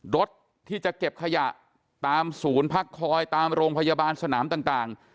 รถที่จะเก็บขยะตามศูนย์พักคอยตามโรงพยาบาลสนามต่าง